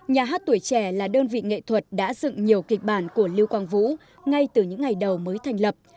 nhà hát tuổi trẻ là đơn vị nghệ thuật đã dựng nhiều kịch bản của lưu quang vũ ngay từ những ngày đầu mới thành lập